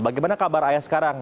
bagaimana kabar ayah sekarang